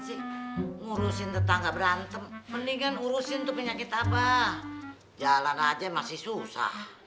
sih ngurusin tetangga berantem mendingan urusin itu penyakit apa jalan aja masih susah